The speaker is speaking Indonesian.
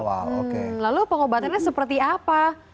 hmm lalu pengobatannya seperti apa